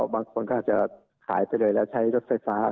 บางคนก็อาจจะขายไปเลยแล้วใช้รถไฟฟ้า